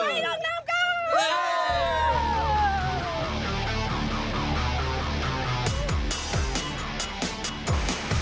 ไปลงน้ำกัน